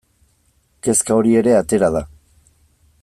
Kezka hori ere atera da.